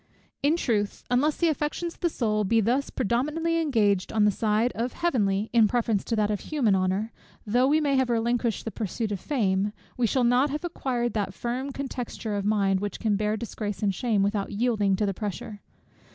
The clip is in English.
In truth, unless the affections of the soul be thus predominantly engaged on the side of heavenly in preference to that of human honour, though we may have relinquished the pursuit of fame, we shall not have acquired that firm contexture of mind, which can bear disgrace and shame, without yielding to the pressure.